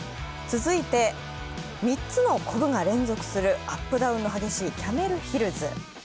続いて、３つのこぶが連続するアップダウンの激しいキャメルヒルズ。